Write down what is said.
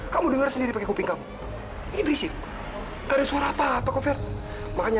sampai jumpa di video selanjutnya